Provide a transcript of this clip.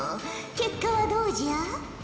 結果はどうじゃ？